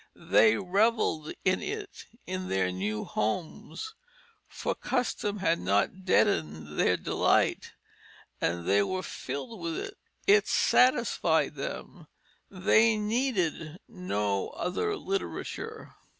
They revelled in it in their new homes, for custom had not deadened their delight, and they were filled with it; it satisfied them; they needed no other literature.